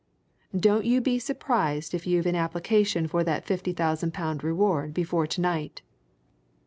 Don't you be surprised if you've an application for that fifty thousand pound reward before to night!"